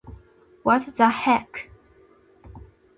What the Heck?